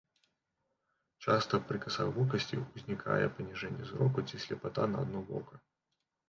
Часта пры касавокасці ўзнікае паніжэнне зроку ці слепата на адно вока.